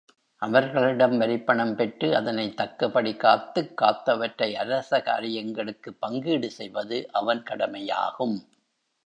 அவர்களிடம் வரிப்பணம் பெற்று அதனைத் தக்கபடி காத்துக் காத்தவற்றை அரச காரியங்களுக்குப் பங்கீடு செய்வது அவன் கடமை யாகும்.